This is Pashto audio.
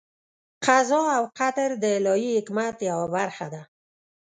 قضا او قدر د الهي حکمت یوه برخه ده.